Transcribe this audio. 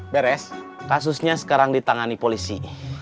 beres kasusnya sekarang ditangani polisi